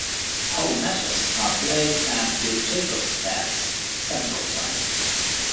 Home matches are played at the Jakobstads Centralplan.